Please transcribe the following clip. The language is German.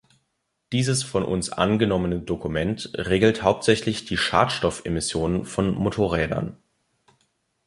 Dieses von uns angenommene Dokument regelt hauptsächlich die Schadstoffemissionen von Motorrädern.